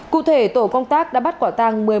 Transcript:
cụ thể tổ công tác đã bắt quả tàng